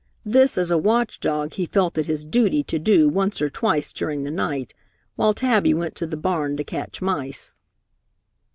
This as a watch dog he felt it his duty to do once or twice during the night, while Tabby went to the barn to catch mice.